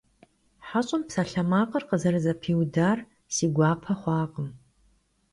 ХьэщӀэм псалъэмакъыр къызэрызэпиудар си гуапэ хъуакъым.